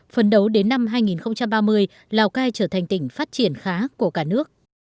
phần đầu đến năm hai nghìn ba mươi lào cai trở thành tỉnh phát triển khá của cả nước